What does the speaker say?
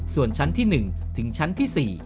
ส่วนชั้นที่๑ถึงชั้นที่๔